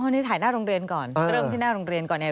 นี่ถ่ายหน้าโรงเรียนก่อนเริ่มที่หน้าโรงเรียนก่อนเนี่ย